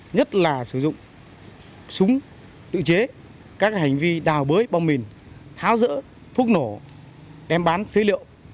nhất là sử dụng súng tự chế các hành vi đào bới bom mìn tháo rỡ thuốc nổ đem bán phế liệu